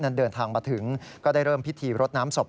เดินทางมาถึงก็ได้เริ่มพิธีรดน้ำศพ